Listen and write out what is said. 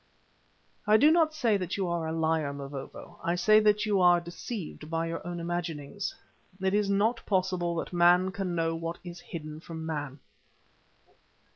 '" "I do not say that you are a liar, Mavovo, I say that you are deceived by your own imaginings. It is not possible that man can know what is hidden from man."